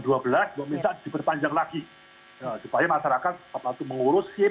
jadi itu akan diberpanjang lagi supaya masyarakat mengurus sim